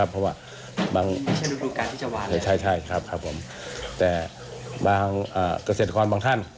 เพราะว่ามีบางเกษตรคอนบางท่าน